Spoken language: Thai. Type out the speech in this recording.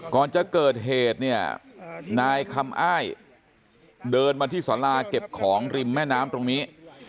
ก่อนจะเกิดเหตุเนี่ยนายคำอ้ายเดินมาที่สาราเก็บของริมแม่น้ำตรงนี้